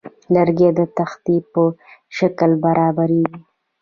لرګی د تختې په شکل برابریږي.